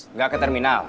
enggak ke terminal